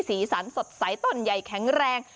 สีสันสดใสต้นใหญ่แข็งแรง